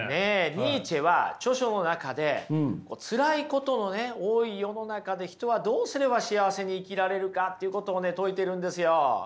ニーチェは著書の中でつらいことのね多い世の中で人はどうすれば幸せに生きられるかっていうことをね説いてるんですよ。